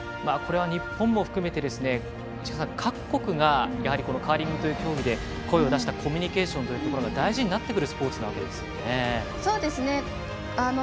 これは日本も含めて市川さん、各国がカーリングという競技で声を出したコミュニケーションというところが大事になってくるスポーツですね。